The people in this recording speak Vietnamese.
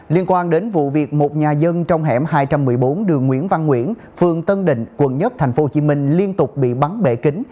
liên quan đến vụ việc một nhà dân trong hẻm hai trăm một mươi bốn đường nguyễn văn nguyễn phường tân định quận một tp hcm liên tục bị bắn bệ kính